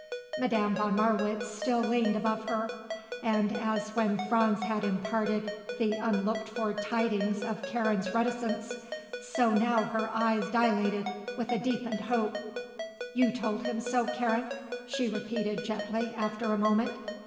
Madame von Marwitz still leaned above her and, as when Franz had imparted the unlooked for tidings of Karen's reticence, so now her eyes dilated with a deepened hope. "You told him so, Karen?" she repeated gently, after a moment.